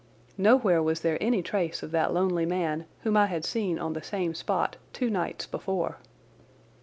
Nowhere was there any trace of that lonely man whom I had seen on the same spot two nights before.